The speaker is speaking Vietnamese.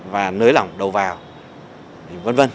và nới lỏng đầu vào v v